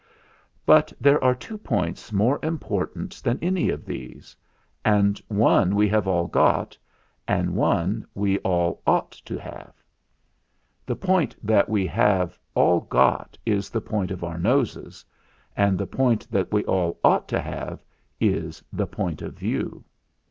But there are two points more important than any of these, and one we THE ZAGABOG'S STORY 141 have all got, and one we all ought to have. The point that we have all got is the point of our noses; and the point that we all ought to have is the Point of View.